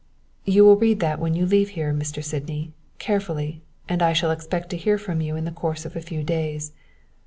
"You will read that when you leave here, Mr. Sydney, carefully, and I shall expect to hear from you in the course of a few days.